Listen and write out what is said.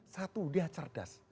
satu dia cerdas